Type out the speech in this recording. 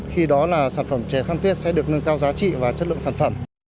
khi đó là sản phẩm chè san tuyết sẽ được nâng cao giá trị và chất lượng sản phẩm